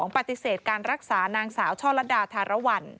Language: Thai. ปฏิเสธการรักษานางสาวช่อลัดดาธารวรรณ